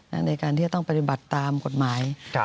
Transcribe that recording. ในการที่จะต้องปฏิบัติตามกฎหมาย